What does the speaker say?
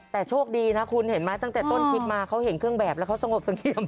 แต่โชคดีนะคุณเห็นไหมตั้งแต่ต้นคลิปมาเขาเห็นเครื่องแบบแล้วเขาสงบเสงี่ยม